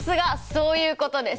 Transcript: そういうことです！